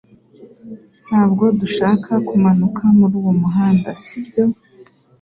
Ntabwo dushaka kumanuka muri uwo muhanda, si byo?